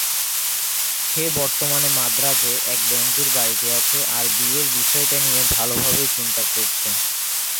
সে বর্তমানে মাদ্রাজে এক বন্ধুর বাড়িতে আছে আর বিয়ের বিষয়টা নিয়ে ভালোভাবেই চিন্তা করছে।